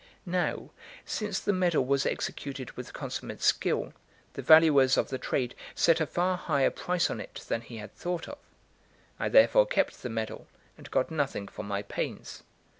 Now, since the medal was executed with consummate skill, the valuers of the trade set a far higher price on it than he had thought of. I therefore kept the medal, and got nothing for my pains.